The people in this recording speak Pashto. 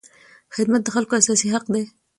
خدمت د خلکو اساسي حق دی.